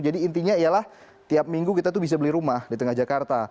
jadi intinya ialah tiap minggu kita tuh bisa beli rumah di tengah jakarta